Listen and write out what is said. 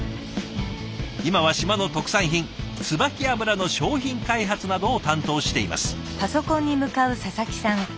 今は島の特産品椿油の商品開発などを担当しています。